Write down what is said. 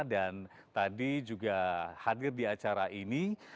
dan tadi juga hadir di acara ini